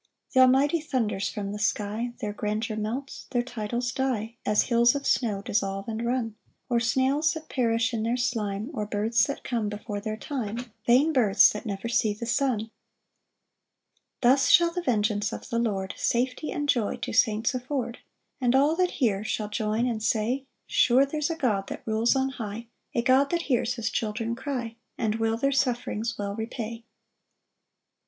5 Th' Almighty thunders from the sky, Their grandeur melts, their titles die, As hills of snow dissolve and run, Or snails that perish in their slime, Or births that come before their time, Vain births, that never see the sun. 6 Thus shall the vengeance of the Lord Safety and joy to saints afford; And all that hear shall join and say, "Sure there's a God that rules on high, "A God that hears his children cry, "And will their sufferings well repay."